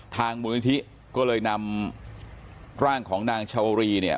มูลนิธิก็เลยนำร่างของนางชาวรีเนี่ย